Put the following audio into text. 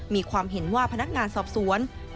มีความเห็นว่าพนักงานสอบสวน